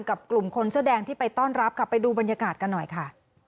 กับกลุ่มคนแสดงที่ไปต้อนรับไปดูบรรยากาศกันหน่อยค่ะ